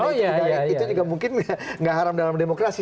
itu juga mungkin gak haram dalam demokrasi